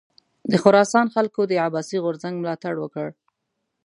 د خراسان خلکو د عباسي غورځنګ ملاتړ وکړ.